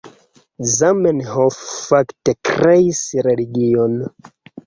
Zamenhof fakte kreis religion.